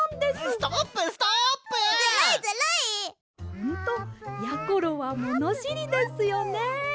「ほんとやころはものしりですよね」。